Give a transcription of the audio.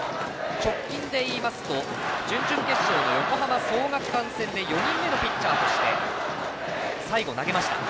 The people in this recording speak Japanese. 直近でいいますと準々決勝の横浜創学館戦で４人目のピッチャーとして最後投げました。